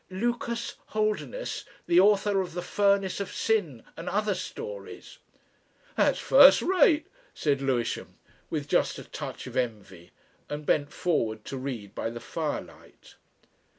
"Lucas Holderness, the author of 'The Furnace of Sin' and other stories." "That's first rate," said Lewisham with just a touch of envy, and bent forward to read by the firelight.